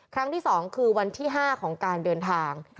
ครั้งที่๒คือวันที่๕ของการเดินทาง